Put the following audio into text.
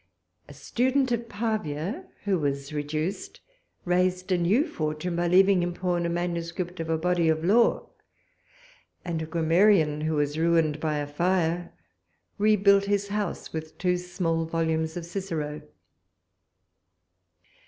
A student of Pavia, who was reduced, raised a new fortune by leaving in pawn a manuscript of a body of law; and a grammarian, who was ruined by a fire, rebuilt his house with two small volumes of Cicero.